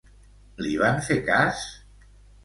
Li van fer cas?